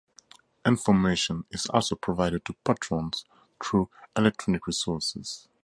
Information is also provided to patrons through electronic resources.